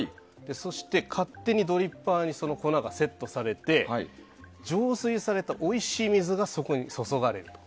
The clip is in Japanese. そして、勝手にドリッパーにその粉がセットされて浄水されたおいしい水がそこに注がれると。